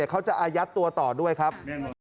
เขาจะอายัดตัวต่อด้วยครับ